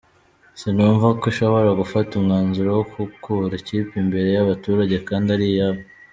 Sinumva ko ishobora gufata umwanzuro wo gukura ikipe imbere y’abaturage kandi ari iyabo.